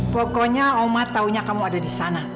pokoknya oma taunya kamu ada di sana